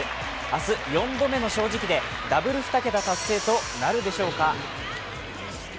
明日、４度目の正直でダブル２桁達成となるでしょうか。